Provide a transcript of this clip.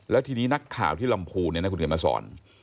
แล้วทีนี้นักข่าวที่ลำพูนเนี่ยนะคุณเขียนมาสอน